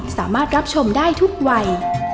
สามารถรับชมได้ทุกวัย